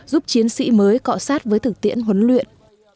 giúp chiến sĩ mới cọ sát với thực tiễn huấn luyện